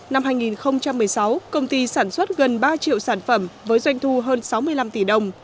năm hai nghìn một mươi sáu công ty sản xuất gần ba triệu sản phẩm với doanh thu hơn sáu mươi năm tỷ đồng